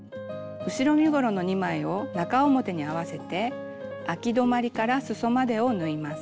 後ろ身ごろの２枚を中表に合わせてあき止まりからすそまでを縫います。